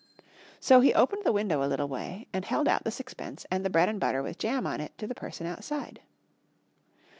So he opened the window a little way and held out the sixpence and the bread and butter with jam on it to the person outside.